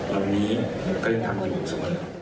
ราวนี้ก็เลยทำให้ผมสวย